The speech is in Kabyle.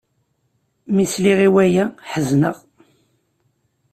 Mi sliɣ i waya, ḥezneɣ.